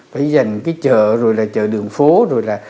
phải dành cái chợ rồi là chợ đường phố rồi là